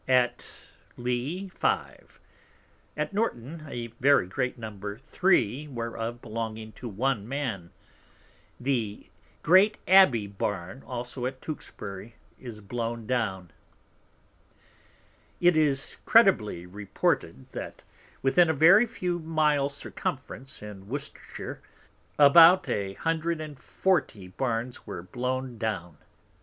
At Lee, five. At Norton, a very great Number, three whereof belonging to one Man. The great Abby Barn also at Tewksbury is blown down. It is credibly reported, that within a very few Miles Circumference in Worcestershire, about an hundred and forty Barns are blown down.